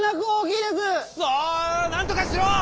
くそなんとかしろ！